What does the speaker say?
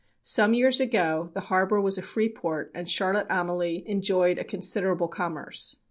Some years ago the harbor was a free port and Charlotte Amalie enjoyed a considerable commerce.